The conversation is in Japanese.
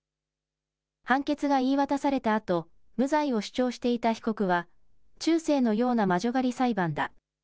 判決が言い渡されたあと無罪を主張していた被告は中世のような魔女狩り裁判だ。